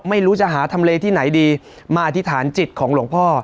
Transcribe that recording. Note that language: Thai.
ไม่รู้จะหาทำเลที่ไหนดีมาอธิษฐานจิตของหลวงพ่อ